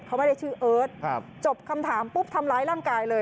เขาไม่ได้ชื่อเอิร์ทจบคำถามปุ๊บทำร้ายร่างกายเลย